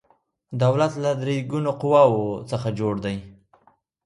دولت له درې ګونو قواو څخه جوړ دی